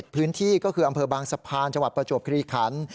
พื้นที่ก็คืออำเภอบางสะพานจังหวัดประจวบคลีขัน